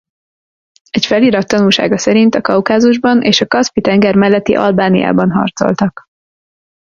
Egy felirat tanúsága szerint a Kaukázusban és a Kaszpi-tenger melletti Albaniában harcoltak.